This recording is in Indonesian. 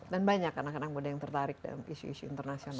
dan banyak anak anak muda yang tertarik dalam isu isu internasional